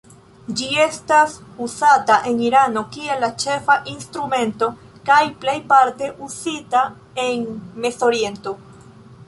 Ĝi estas uzata en Irano kiel la ĉefa instrumento kaj plejparte uzita en Mezoriento.